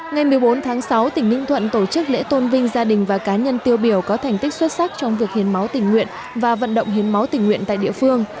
ngày một mươi bốn tháng sáu tỉnh ninh thuận tổ chức lễ tôn vinh gia đình và cá nhân tiêu biểu có thành tích xuất sắc trong việc hiến máu tình nguyện và vận động hiến máu tình nguyện tại địa phương